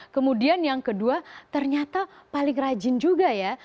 kemudian yang kedua ternyata paling rajin juga ya